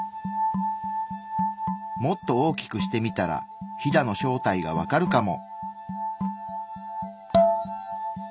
もっと大きくしてみたらヒダの正体がわかるかも。